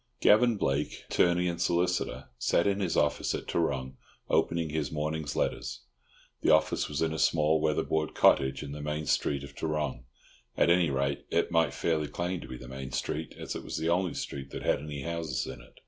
Gavan Blake, attorney and solicitor, sat in his office at Tarrong, opening his morning's letters. The office was in a small weatherboard cottage in the "main street" of Tarrong (at any rate it might fairly claim to be the main street, as it was the only street that had any houses in it).